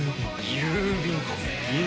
郵便か。